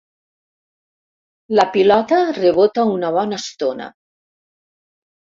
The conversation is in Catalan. La pilota rebota una bona estona.